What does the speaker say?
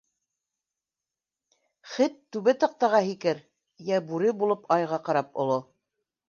Хет түбә таҡтаға һикер, йә бүре булып айға ҡарап оло.